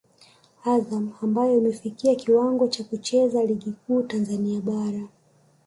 Azam ambayo imefikia kiwango cha kucheza ligi kuu Tanzania bara